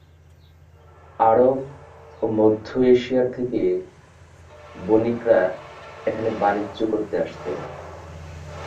আরব ও মধ্য এশিয়া থেকে বণিকরা এখানে বাণিজ্য কাজে আসতেন।